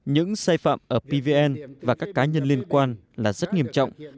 những sai phạm ở pvn và các cá nhân liên quan là rất nghiêm trọng